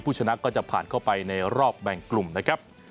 ชนะก็จะผ่านเข้าไปในรอบแบ่งกลุ่มนะครับ